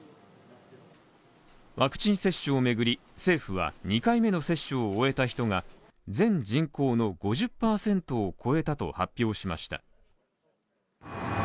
ワクチン接種を巡り、政府は２回目の接種を終えた人が全人口の５０％を超えたと発表しました。